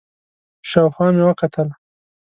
شاوخوا مې وکتل،